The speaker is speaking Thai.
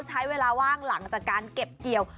ใช้เวลาว่างหลังจากการเก็บเกี่ยว